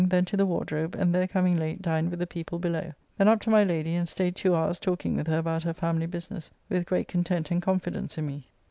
Then to the Wardrobe, and there coming late dined with the people below. Then up to my Lady, and staid two hours talking with her about her family business with great content and confidence in me.